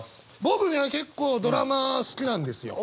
僕ね結構ドラマ好きなんですよ。